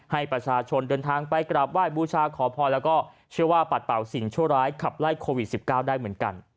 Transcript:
ให้ประชาชนเดินทางไปกราบไหว้บูชาขอพรแล้วก็เชื่อว่าปัดเป่าสิ่งชั่วร้ายขับไล่โควิด๑๙ได้เหมือนกัน